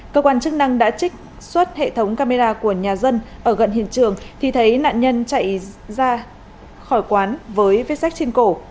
cơ quan chức năng đã trích xuất hệ thống camera của nhà dân ở gần hiện trường thì thấy nạn nhân chạy ra khỏi quán với viết sách trên cổ